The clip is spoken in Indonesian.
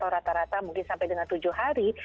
rata rata mungkin sampai dengan tujuh hari